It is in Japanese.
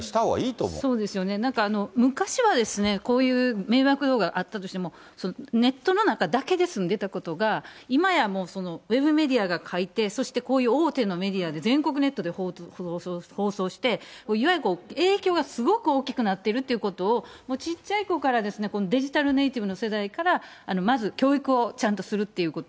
なんか、昔はですね、こういう迷惑動画あったとしても、ネットの中だけで済んでいたことが、今やもう、ウェブメディアが書いて、そしてこういう大手のメディアが全国ネットで放送して、いわゆるこう影響がすごく大きくなってるってことを、もうちっちゃい子から、デジタルネイティブの世代からまず教育をちゃんとするっていうこと。